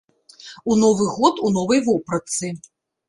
У новы год у новай вопратцы.